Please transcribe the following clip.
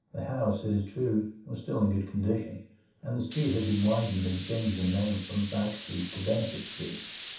The house, it is true, was still in good condition; and the street had been widened and changed in name from Back Street to Benefit Street.